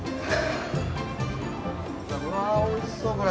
うわぁおいしそうこれ。